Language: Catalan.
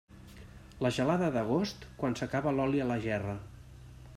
La gelada d'agost, quan s'acaba l'oli a la gerra.